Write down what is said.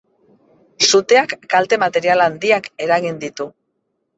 Suteak kalte material handiak eragin ditu.